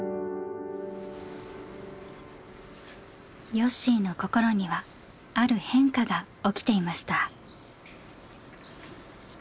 よっしーの心にはある変化が起きていました。